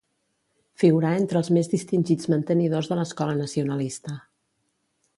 Figurà entre els més distingits mantenidors de l'escola nacionalista.